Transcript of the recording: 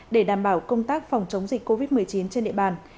để đảm bảo công tác phòng chống dịch covid một mươi chín trên địa bàn